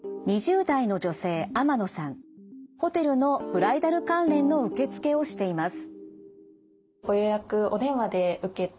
ホテルのブライダル関連の受け付けをしています。